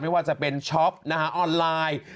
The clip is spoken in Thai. ไม่ว่าจะเป็นช็อปออนไลน์